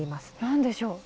何でしょう。